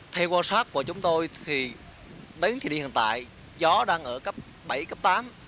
theo quan sát của chúng tôi thì đến thời điểm hiện tại gió đang ở cấp bảy cấp tám